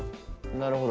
なるほど。